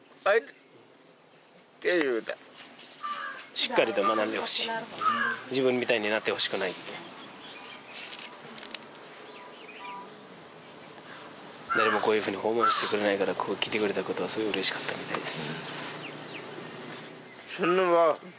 しっかりと学んでほしい自分みたいになってほしくないって誰もこういうふうに訪問してくれないから来てくれたことはすごいうれしかったみたいです